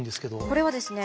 これはですね